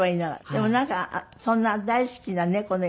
でもなんかそんな大好きな猫の絵本を。